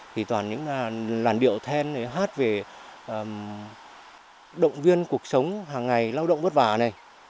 thì toàn những làn điệu then hát về động viên cuộc sống hàng ngày lao động vất vả này